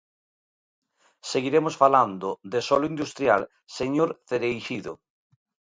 Seguiremos falando de solo industrial, señor Cereixido.